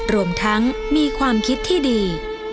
รวมทั้งมีความคิดที่ดี